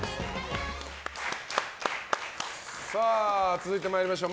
続いて参りましょう。